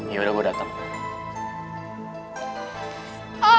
yaudah gue dateng